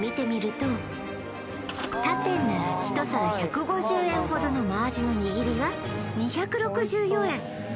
他店なら１皿１５０円ほどの真鯵の握りが２６４円